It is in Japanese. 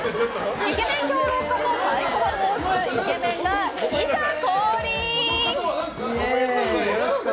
イケメン評論家も太鼓判を押すイケメンがいざ降臨！